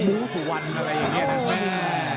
หมูสุวรรค์อะไรอย่างนี้นะแม่